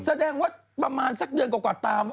แสดงว่าประมาณสักเดือนกว่าตาม